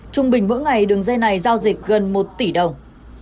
trung bình mỗi ngày đường dây này giao dịch gần một tỷ đồng